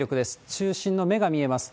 中心の目が見えます。